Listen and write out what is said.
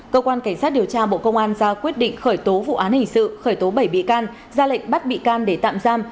cơ quan cảnh sát điều tra bộ công an ra quyết định khởi tố vụ án hình sự khởi tố bảy bị can ra lệnh bắt bị can để tạm giam